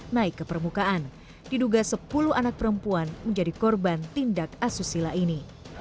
naik ke permukaan diduga sepuluh anak perempuan menjadi korban tindak asusila ini